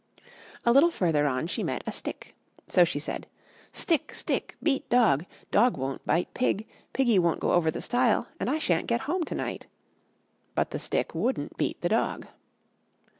A little further on she met a stick. So she said: "Stick! stick! beat dog! dog won't bite pig; piggy won't go over the stile; and I sha'n't get home to night." But the stick wouldn't beat the dog.